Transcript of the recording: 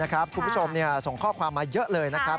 คุณผู้ชมส่งข้อความมาเยอะเลยนะครับ